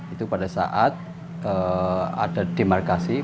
itu pada saat ada demarkasi